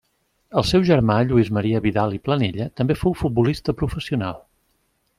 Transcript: El seu germà Lluís Maria Vidal i Planella també fou futbolista professional.